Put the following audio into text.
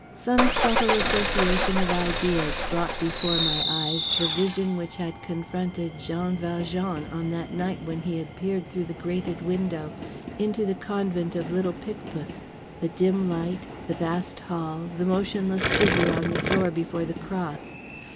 Some subtle association of ideas brought before my eyes the vision which had confronted Jean Valjean on that night when he had peered through the grated window into the Convent of Little Picpus the dim light, the vast hall, the motionless figure on the floor before the cross.